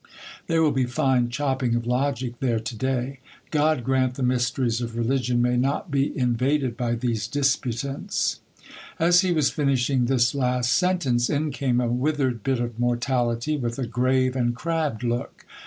There will be fine chopping of logic there to day ! God grant the mysteries of religion may not be invaded by these disputants. As he was finishing this last sentence, in came a withered bit of mortality, with a grave and crabbed look.